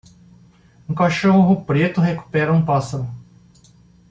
Um cachorro preto recupera um pássaro.